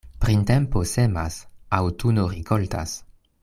Printempo semas, aŭtuno rikoltas.